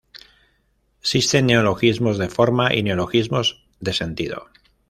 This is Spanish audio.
Existen neologismo de forma y neologismos de sentido.